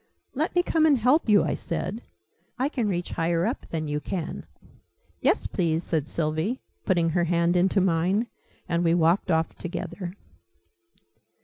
"Let me come and help you," I said. "I can reach higher up than you can." "Yes, please," said Sylvie, putting her hand into mine: and we walked off together.